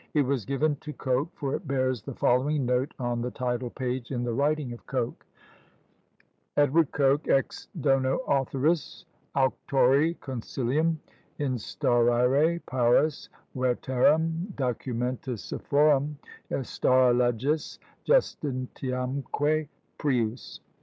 It was given to Coke, for it bears the following note on the title page, in the writing of Coke: Edw. Coke, Ex dono authoris, Auctori consilium Instaurare paras veterum documenta sophorum Instaura leges, justitiamque prius.